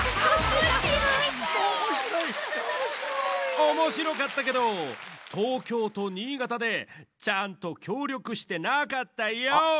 おもしろかったけど東京と新潟でちゃんときょうりょくしてなかったヨー！